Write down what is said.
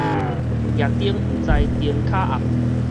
攑燈毋知燈跤暗